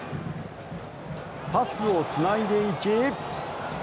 パスをつないでいき。